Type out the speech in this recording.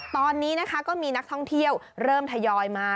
ตอนนี้นะคะก็มีนักท่องเที่ยวเริ่มทยอยมา